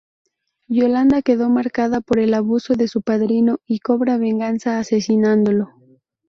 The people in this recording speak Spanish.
Yolanda quedó marcada por el abuso de su padrino y cobra venganza asesinándolo.